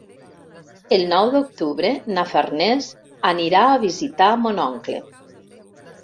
El nou d'octubre na Farners anirà a visitar mon oncle.